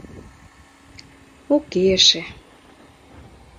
— Уке эше...